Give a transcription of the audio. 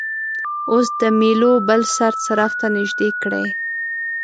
اوس د میلو بل سر څراغ ته نژدې کړئ.